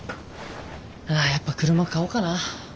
ああやっぱ車買おうかな。